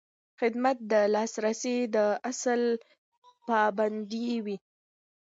خدمت د لاسرسي د اصل پابند وي.